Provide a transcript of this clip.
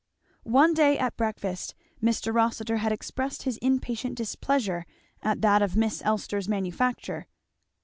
One day at breakfast Mr. Rossitur had expressed his impatient displeasure at that of Miss Elster's manufacture.